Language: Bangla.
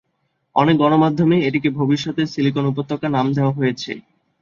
অনেক গণমাধ্যমে এটিকে ভবিষ্যতের সিলিকন উপত্যকা নাম দেওয়া হয়েছে।